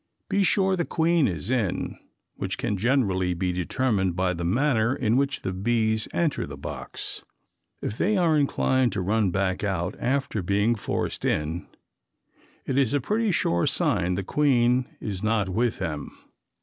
Be sure the queen is in, which can generally be determined by the manner in which the bees enter the box. If they are inclined to run back out after being forced in, it is a pretty sure sign the queen is not with them.